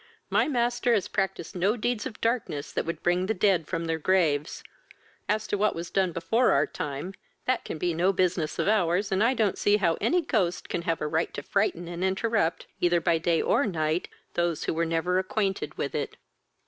My master has practised no deeds of darkness that would bring the dead from their graves. As to what was done before our time, that can be no business of ours, and I don't see how any ghost can have a right to frighten and interrupt, either by day or night, those who were never acquainted with it."